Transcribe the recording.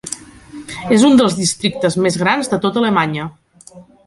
És un dels districtes més grans de tota Alemanya.